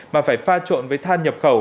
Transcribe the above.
mà phải pha trộn với than nhập khẩu